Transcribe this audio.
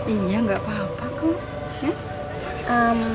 ini ya gak apa apa kok